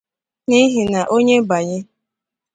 n'ihi na onye banye